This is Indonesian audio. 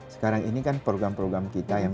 sekarang ini kan program program kita yang